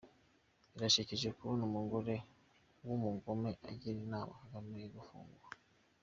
Birashekeje kubona umugore wumugome agira inama kagame yogufunga